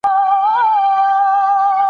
د تور مار له لاسه ډېر دي په ماتم کي !.